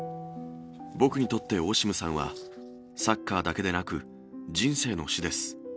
僕にとってオシムさんは、サッカーだけでなく、人生の師です。